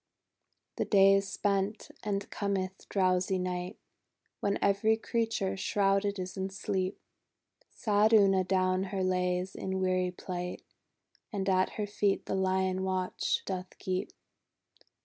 ••••••••• The day is spent, and cometh drowsy Night, When every creature shrouded is in sleep. Sad Una down her lays in weary plight, And at her feet the Lion watch doth keep.